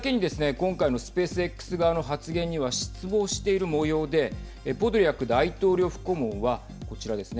今回のスペースＸ側の発言には失望しているもようでポドリャク大統領府顧問はこちらですね